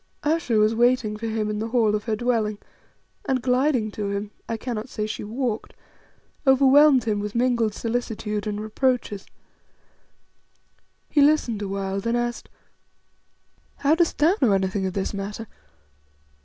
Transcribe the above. Ayesha was waiting for him in the hall of her dwelling, and gliding to him I cannot say she walked overwhelmed him with mingled solicitude and reproaches. He listened awhile, then asked "How dost thou know anything of this matter?